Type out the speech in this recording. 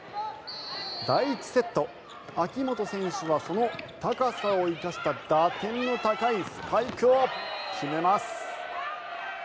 第１セット秋本選手はその高さを生かした打点の高いスパイクを決めます。